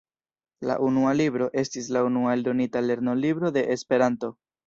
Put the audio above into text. La "Unua Libro" estis la unua eldonita lernolibro de Esperanto.